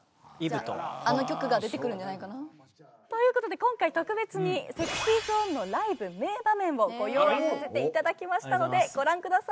あの曲が出てくるんじゃないかな。ということで今回特別にＳｅｘｙＺｏｎｅのライブ名場面をご用意させていただきましたのでご覧ください。